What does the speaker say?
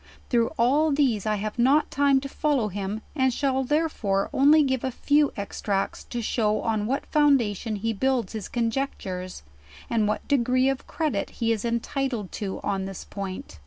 Through all these I have not time. to follow him, and shall therefore only give a few extracts to show on what foundation he builds his conjec tures, and what degree of credit he is entitled to on this point.